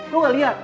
lu gak liat